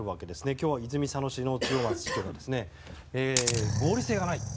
今日、泉佐野市の千代松市長は合理性がないと。